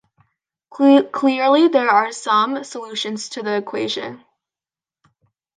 Clearly, there "are" some solutions to the equation.